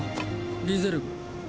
リゼルグ。